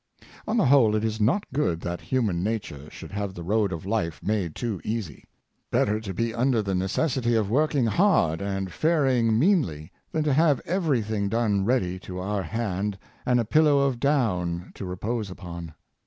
On the whole, it is not good that human nature should have the road of Hfe made too easy. Better to be under the necessity of working hard and faring meanly, than to have every thing done ready to our hand and a pillow of down to repose upon.